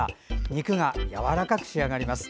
肉がやわらかく仕上がります。